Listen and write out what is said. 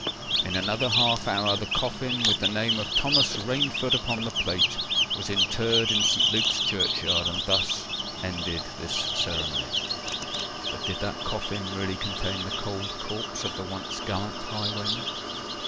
In another half hour, the coffin, with the name of "THOMAS RAINFORD" upon the plate, was interred in St. Luke's churchyard; and thus ended this ceremony. But did that coffin really contain the cold corse of the once gallant highwayman?